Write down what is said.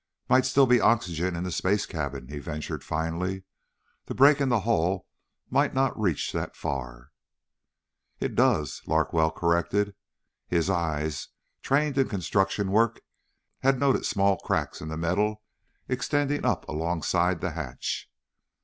"Might still be oxygen in the space cabin," he ventured finally. "The break in the hull might not reach that far." "It does," Larkwell corrected. His eyes, trained in construction work, had noted small cracks in the metal extending up alongside the hatch.